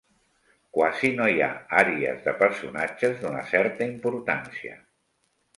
Quasi no hi ha àries de personatges d'una certa importància.